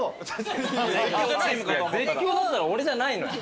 絶叫だったら俺じゃないのよ。